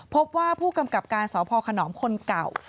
พบว่าผู้กำกับการสพขนอมคนเก่า